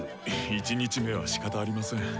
１日目はしかたありません。